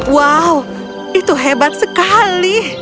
wow itu hebat sekali